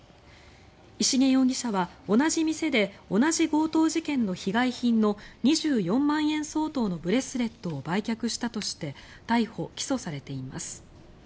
石毛容疑者は同じ店で同じ強盗事件の被害品の２４万円相当のブレスレットを売却したとして逮捕・起訴されています。